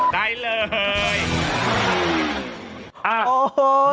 ได้เลย